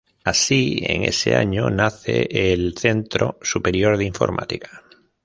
Así, en ese año nace el Centro Superior de Informática.